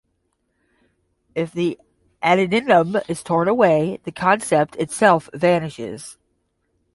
If the addendum is torn away, the concept itself vanishes.